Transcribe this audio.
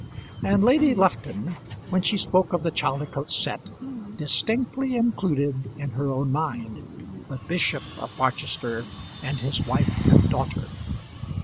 And Lady Lufton, when she spoke of the Chaldicotes set, distinctly included, in her own mind, the Bishop of Barchester, and his wife and daughter.